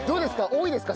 多いですか？